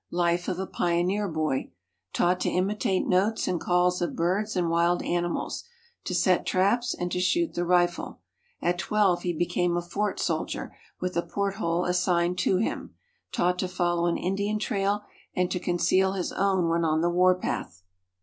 Life of a Pioneer Boy Taught to imitate notes and calls of birds and wild animals, to set traps and to shoot the rifle. At 12 he became a fort soldier, with a porthole assigned to him. Taught to follow an Indian trail and to conceal his own when on the warpath.